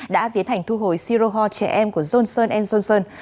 đã tiến hành thu hồi siroho trẻ em của johnson johnson